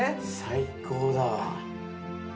最高だわ。